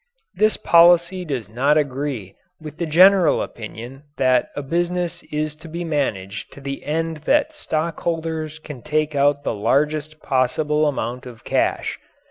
This policy does not agree with the general opinion that a business is to be managed to the end that the stockholders can take out the largest possible amount of cash.